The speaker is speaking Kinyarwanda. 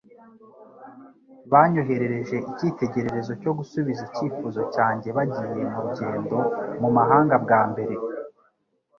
Banyoherereje icyitegererezo cyo gusubiza icyifuzo cyanjyeBagiye mu rugendo mu mahanga bwa mbere.